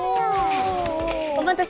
おまたせ！